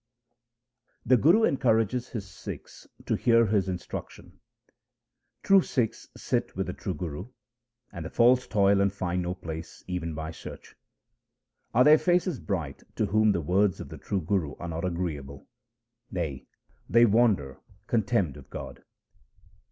The Guru encourages his Sikhs to hear his in struction :— True Sikhs sit with the true Guru ; and the false toil and find no place even by search. Are their faces bright to whom the words of the true Guru are not agreeable ? Nay, they wander contemned of God.